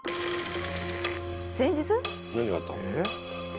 前日？何があったの？